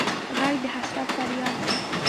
غږ د حسرت فریاد دی